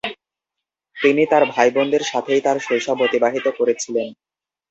তিনি তাঁর ভাইবোনদের সাথেই তাঁর শৈশব অতিবাহিত করেছিলেন।